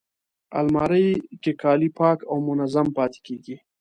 الماري کې کالي پاک او منظم پاتې کېږي